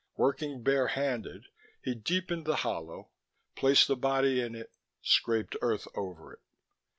Working bare handed, he deepened the hollow, placed the body in it, scraped earth over it.